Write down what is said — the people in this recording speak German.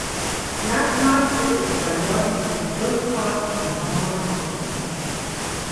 Werktags gibt es zwei morgendliche Durchfahrten zum Hamburger Hauptbahnhof.